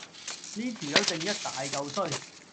呢條友正一大嚿衰